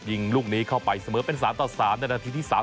ยิงลูกนี้เข้าไปเสมอเป็น๓ต่อ๓ในนาทีที่๓